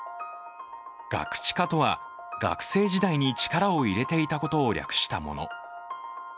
ガクチカとは学生時代に力を入れていたことを略称したもの。